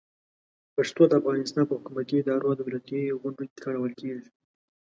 پښتو د افغانستان په حکومتي ادارو او دولتي غونډو کې کارول کېږي.